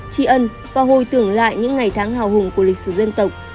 tri ân và hồi tưởng lại những ngày tháng hào hùng của lịch sử dân tộc